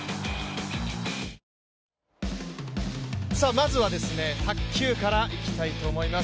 まずは、卓球からいきたいと思います。